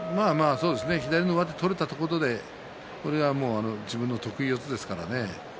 左の上手が取れたということで、自分の得意四つですからね。